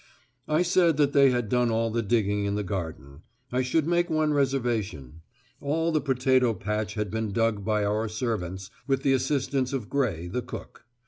I said that they had done all the digging in the garden. I should make one reservation. All the potato patch had been dug by our servants, with the assistance of Gray, the cook.